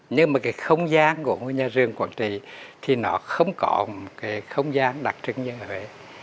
nhưng mà cái không gian của ngôi nhà riêng quảng trị thì nó không có một cái không gian đặc trưng như ở huế